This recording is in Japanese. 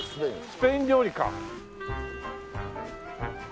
スペイン料理か。